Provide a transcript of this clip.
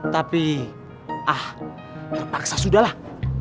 tapi ah terpaksa sudahlah